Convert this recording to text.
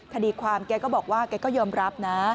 คดีความแกก็บอกว่าแกก็ยอมรับนะ